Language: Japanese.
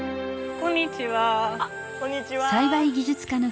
こんにちは。